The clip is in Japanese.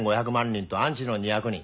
人とアンチの２００人。